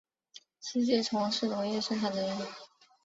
实际从事农业生产的人